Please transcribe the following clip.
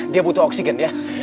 dia butuh oksigen ya